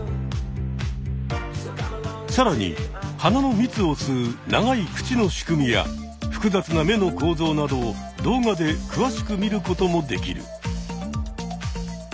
さらに花のみつを吸う長い口の仕組みや複雑な目の構造などを動画でくわしく見ることもできる。